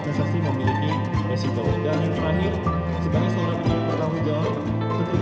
memiliki esiko dan yang terakhir